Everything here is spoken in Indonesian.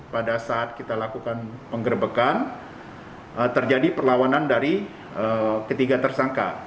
pada saat kita lakukan penggerbekan terjadi perlawanan dari ketiga tersangka